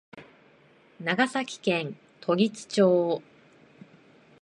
長崎県時津町